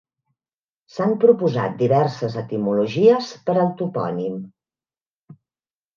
S'han proposat diverses etimologies per al topònim.